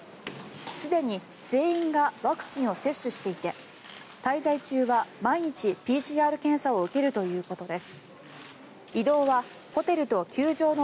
すでに全員がワクチンを接種していて滞在中は毎日、ＰＣＲ検査を受けるということです。